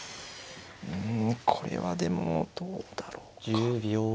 うんこれはでもどうだろうか。